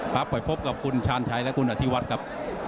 ครับไปพบกับคุณชาญชัยและคุณอธิวัฒน์ครับ